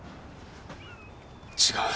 違う。